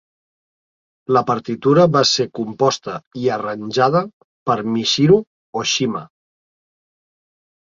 La partitura va ser composta i arranjada per Michiru Oshima.